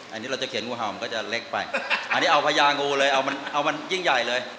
อันนี้เราจะเขียนงูเห่ามันก็จะเล็กไปอันนี้เอาพญางูเลยเอามันเอามันยิ่งใหญ่เลย